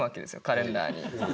カレンダーに。